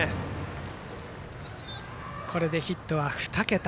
これでヒットは２桁。